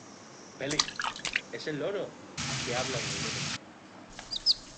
Felix: Es el loro que habla de Derek.